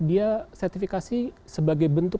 dia sertifikasi sebagai bentuk